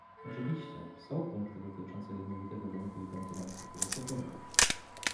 Oczywiście, są punkty dotyczące jednolitego rynku i konkurencji, które popieram